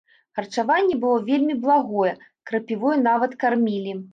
Харчаванне было вельмі благое, крапівой нават кармілі.